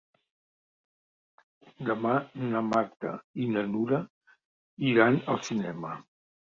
Demà na Marta i na Nura iran al cinema.